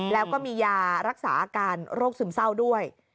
แล้วก็มียารักษาอาการโรคซึมเศร้าด้วย